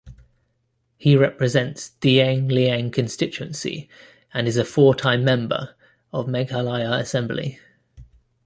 He represents Dienglieng constituency and is a four-time member of Meghalaya Assembly.